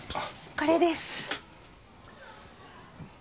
これです。